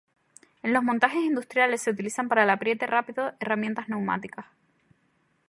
En los montajes industriales se utilizan para el apriete rápido herramientas neumáticas.